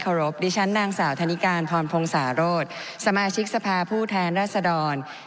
รบดิฉันนางสาวธนิการพรพงศาโรธสมาชิกสภาผู้แทนรัศดร